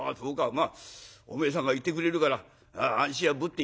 まあおめえさんがいてくれるから安心はぶっていたが。